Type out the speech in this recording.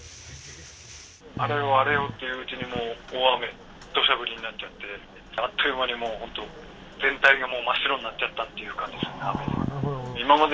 あれよあれよといううちに、もう大雨、どしゃ降りになっちゃって、あっという間にもう、全体がもう真っ白になっちゃったっていう感じ、雨で。